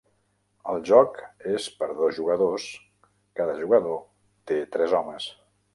El joc és per a dos jugadors; cada jugador té tres homes.